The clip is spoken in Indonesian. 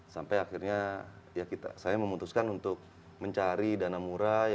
sampai akhirnya saya memutuskan untuk mencari dana murah